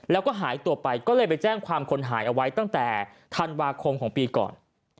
แล้วก็หายตัวไปก็เลยไปแจ้งความคนหายเอาไว้ตั้งแต่ธันวาคมของปีก่อน